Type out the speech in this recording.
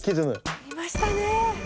ありましたね。